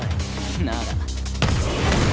なら。